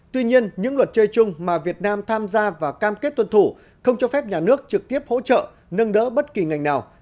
tuy nhiên những luật chơi chung mà việt nam tham gia và cam kết tuân thủ không cho phép nhà nước trực tiếp hỗ trợ nâng đỡ bất kỳ ngành nào